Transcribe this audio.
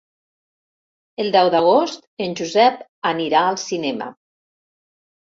El deu d'agost en Josep anirà al cinema.